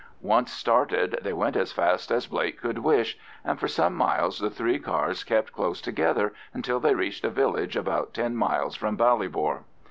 Once started, they went as fast as Blake could wish, and for some miles the three cars kept close together until they reached a village about ten miles from Ballybor.